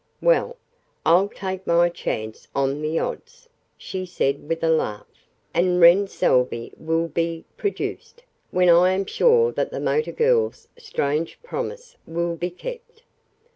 Well, I'll take my chances on the odds," she said with a laugh; "and Wren Salvey will be 'produced' when I am sure that the motor girls' strange promise will be kept.